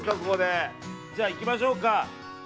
じゃあ、いきましょうか。